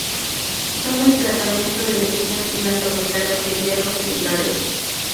Son el tratamiento de elección en las sobrecargas de hierro secundarias.